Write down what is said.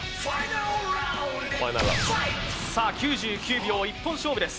さあ９９秒１本勝負です。